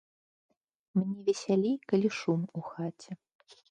Мне весялей, калі шум у хаце.